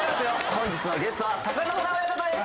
本日のゲストは貴乃花親方です